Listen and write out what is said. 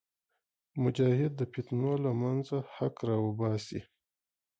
مجاهد د فتنو له منځه حق راوباسي.